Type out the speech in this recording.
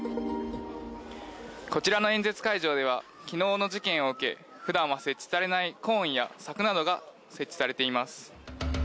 こちらの演説会場では昨日の事件を受け普段は設置されないコーンや柵などが設置されています。